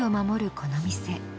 この店。